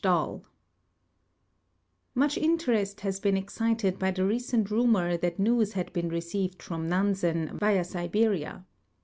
Dall Aluch interest lias been excited by the recent rumor that news had Ijeen received from Nansen, via Siberia.